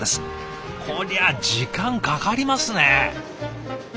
こりゃ時間かかりますね。